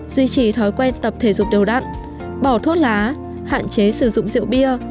duy trì thói quen tập thể dục đầu đặn bỏ thuốc lá hạn chế sử dụng rượu bia